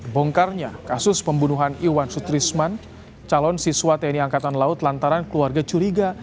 bongkarnya kasus pembunuhan iwan sutrisman calon siswa tni angkatan laut lantaran keluarga curiga